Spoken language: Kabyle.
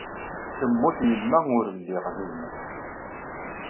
Temmut yemma ur lliɣ din.